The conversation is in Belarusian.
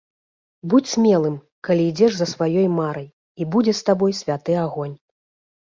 Будзь смелым, калі ідзеш за сваёй марай, і будзе з табой святы агонь.